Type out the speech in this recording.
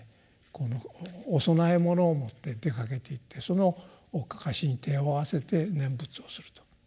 このお供え物を持って出かけていってそのかかしに手を合わせて念仏をすると。